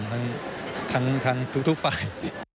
แล้วแต่ความผสมทั้งทุกฝ่าย